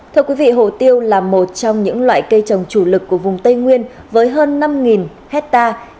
thưa quý vị hồ tiêu là một trong những loại cây trồng chủ lực của vùng tây nguyên với hơn năm hectare